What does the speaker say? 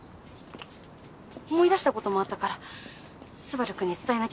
思い出した事もあったから昴くんに伝えなきゃと思って。